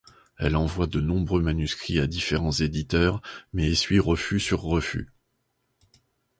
Elle envoie de nombreux manuscrits à différents éditeurs, mais essuie refus sur refus.